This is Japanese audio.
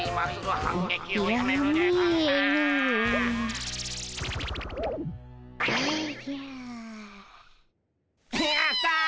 やった！